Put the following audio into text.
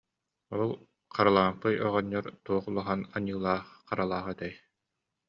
Ол Харылаампый оҕонньор туох улахан аньыы- лаах-харалаах этэй